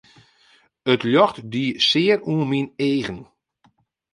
It ljocht die sear oan myn eagen.